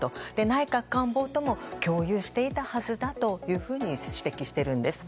内閣官房とも共有していたはずだと指摘しているんです。